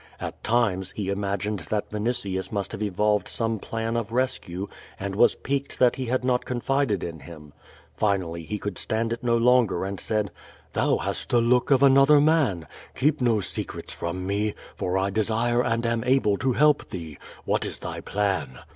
At times^ he imagined that Vinitius must have evolved some plan of rescne, and was piqued that he had not confided in him. Finally, he could QUO VADIS. 451 stand it no longer, and said: "Thou hast the look of another man. Keep no secrets from me, for I desire and am able to help thee. What is thy plan?"